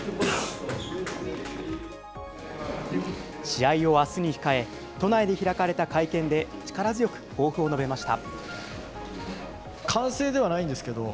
試合をあすに控え、都内で開かれた会見で力強く抱負を述べました。